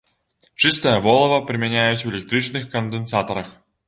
Чыстае волава прымяняюць у электрычных кандэнсатарах.